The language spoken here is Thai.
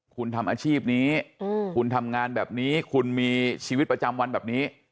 คุณทำอาชีพนี้คุณทำงานแบบนี้คุณมีชีวิตประจำวันแบบนี้